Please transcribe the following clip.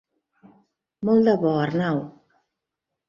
Molt de bo, Arnau.